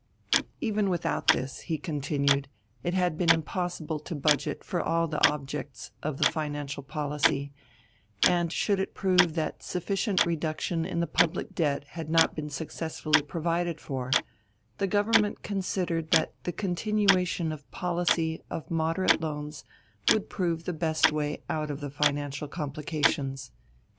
Even without this, he continued, it had been impossible to budget for all the objects of the financial policy, and should it prove that sufficient reduction in the public debt had not been successfully provided for, the Government considered that the continuation of policy of moderate loans would prove the best way out of the financial complications.